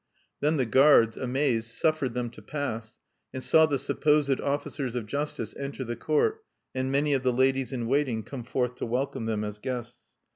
Then the guards, amazed, suffered them to pass, and saw the supposed officers of justice enter the court, and many of the ladies in waiting come forth to welcome them as guests.